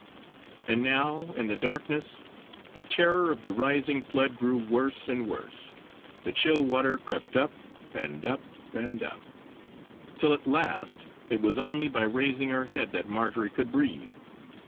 And now, in the darkness, the terror of the rising flood grew worse and worse. The chill water crept up, and up, and up; till at last it was only by raising her head that Marjory could breathe.